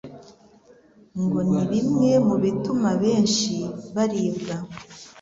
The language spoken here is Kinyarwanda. ngo ni bimwe mu bituma abenshi baribwa